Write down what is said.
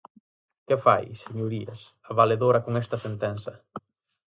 ¿Que fai, señorías, a valedora con esta sentenza?